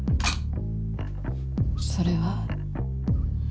それは。